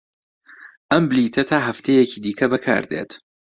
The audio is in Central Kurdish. ئەم بلیتە تا هەفتەیەکی دیکە بەکاردێت.